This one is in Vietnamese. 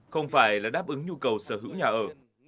không phải là đáp ứng nhu cầu sở hữu nhà ở